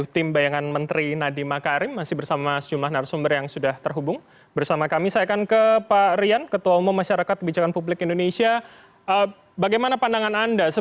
tetaplah bersama kami di cnn indonesia newscast